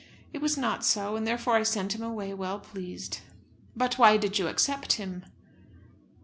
It was not so; and therefore I sent him away, well pleased." "But why did you accept him?"